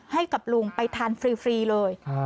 ให้กับลุงไปทานฟรีเลย